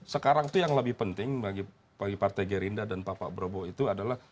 sekarang itu yang lebih penting bagi partai gerindra dan pak prabowo itu adalah